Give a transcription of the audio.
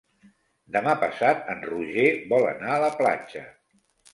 Demà passat en Roger vol anar a la platja.